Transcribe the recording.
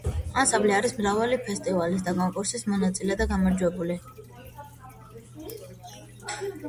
ანსამბლი არის მრავალი ფესტივალის და კონკურსის მონაწილე და გამარჯვებული.